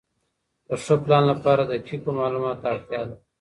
د ښه پلان لپاره دقیقو معلوماتو ته اړتیا ده.